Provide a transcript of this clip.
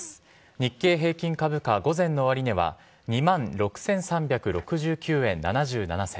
日経平均株価午前の終値は２万６３６９円７７銭。